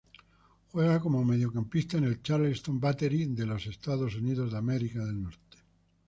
Juega como mediocampista en el Charleston Battery de Estados Unidos.